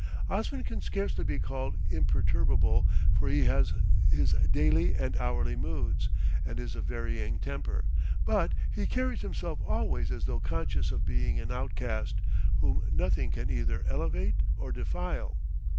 Osman can scarcely be called imperturbable, for he has his daily and hourly moods, and is of varying temper; but he carries himself always as though conscious of being an outcast, whom nothing can either elevate or defile.